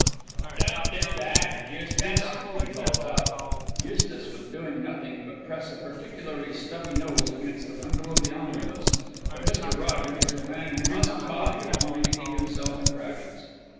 "Don't do that, Eustace," he called out. Eustace was doing nothing but press a particularly stubby nose against the window of the omnibus; but Mr. Rogers was a man who must talk if only to keep himself in practice.